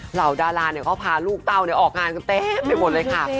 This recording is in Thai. เหล่าดาราเขาพาลูกเต้าออกงานกันเต็มไปหมดเลยค่ะ